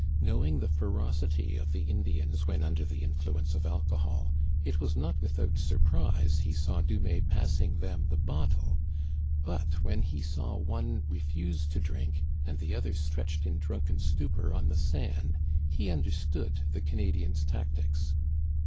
Knowing the ferocity of the Indi ans when under the influence of alcohol, it was not without surprise he saw Dumais passing them the bot tle; but when he saw one refuse to drink and the other stretched in drunken stupor on the sand, he understood the Canadian's tactics.